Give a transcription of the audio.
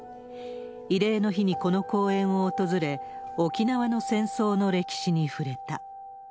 慰霊の日にこの公園を訪れ、沖縄の戦争の歴史に触れた。